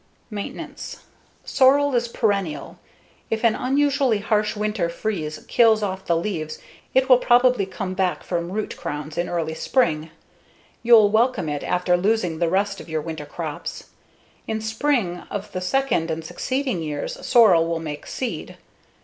Maintenance: Sorrel is perennial. If an unusually harsh winter freeze kills off the leaves it will probably come back from root crowns in early spring. You'll welcome it after losing the rest of your winter crops. In spring of the second and succeeding years sorrel will make seed.